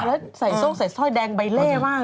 แล้วใส่โซ่ใส่ซ่อยแดงใบเล่บ้างเลย